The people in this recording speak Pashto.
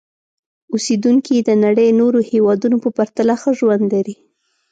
اوسېدونکي یې د نړۍ نورو هېوادونو په پرتله ښه ژوند لري.